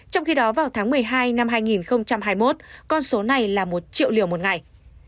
trong khi đó vào tháng một mươi hai năm hai nghìn hai mươi một con số này là một triệu liều một ngày